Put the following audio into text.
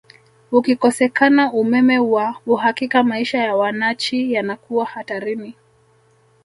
Ukikosekana umeme wa uhakika maisha ya wanachi yanakuwa hatarini